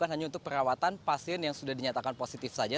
hanya untuk perawatan pasien yang sudah dinyatakan positif saja